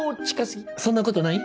そんなことない？